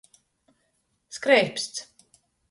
Skreipsts.